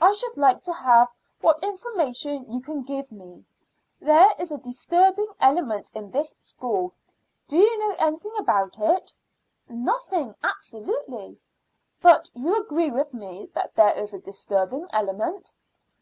I should like to have what information you can give me. There is a disturbing element in this school. Do you know anything about it?" "Nothing absolutely." "But you agree with me that there is a disturbing element?"